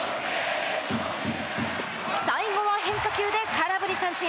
最後は変化球で空振り三振。